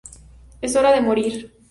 Es hora de morir.